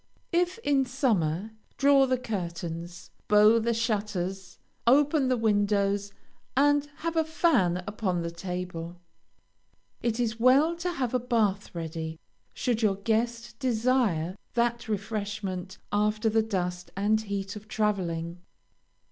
If in summer, draw the curtains, bow the shutters, open the windows, and have a fan upon the table. It is well to have a bath ready, should your guest desire that refreshment after the dust and heat of traveling.